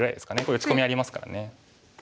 これ打ち込みありますからね。